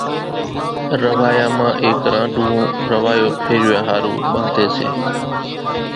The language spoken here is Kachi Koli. روايا مان ايڪ رانڍوون روايو ڦيرِوِيا ۿارُو ٻانڌيَ سي۔